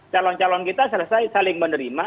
calon calon kita selesai saling menerima